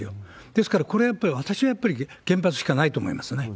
ですからこれ、やっぱり、私はやっぱり原発しかないと思いますね。